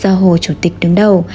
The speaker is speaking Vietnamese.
do hồ chủ tịch đứng đầu